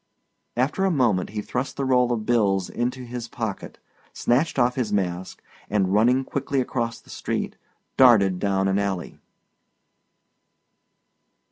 After a moment he thrust the roll of bills into his pocket, snatched off his mask, and running quickly across the street, darted down an alley.